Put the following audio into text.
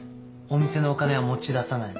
お店のお金は持ち出さない。